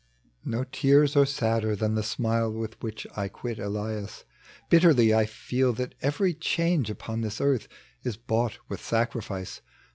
No tears are sadder than the smile ■With which I quit Elias. Bitterly I ftel that every change upon tliis earth Is bought with saoriflce.